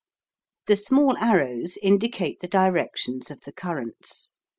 The small arrows indicate the directions of the currents.